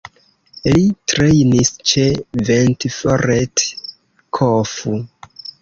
Li trejnis ĉe Ventforet Kofu.